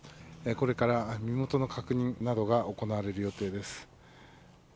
これから身元の確認などが行われる予定です。